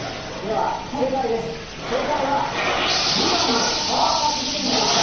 正解は２番のサーカス芸人でした。